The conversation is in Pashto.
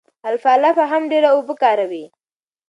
الفالفا هم ډېره اوبه کاروي.